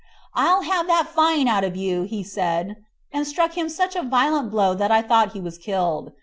"I'll have that fine out of you," said he, and struck him such a violent blow that I thought he was killed.